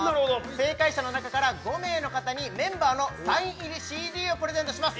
正解者のなかから５名の方にメンバーのサイン入りＣＤをプレゼントします